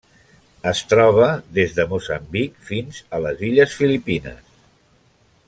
Es troba des de Moçambic fins a les illes Filipines.